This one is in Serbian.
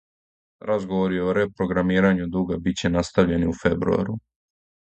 Разговори о репрограмирању дуга биће настављени у фербруару.